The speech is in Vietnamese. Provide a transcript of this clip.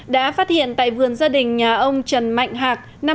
đã phát hiện tại vườn gia đình nhà ông trần mạnh hạc năm